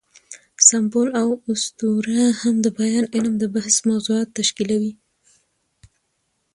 سمبول او اسطوره هم د بیان علم د بحث موضوعات تشکیلوي.